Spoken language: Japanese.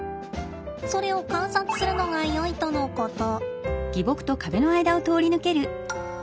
それを観察するのがよいとのこと。